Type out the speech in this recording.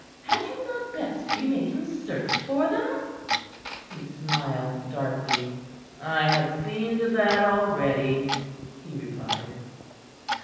Had you not best be making search for them?" He smiled darkly. "I have seen to that already," he replied.